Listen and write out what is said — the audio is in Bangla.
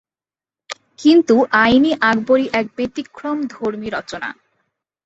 কিন্তু আইন-ই-আকবরী এক ব্যতিক্রমধর্মী রচনা।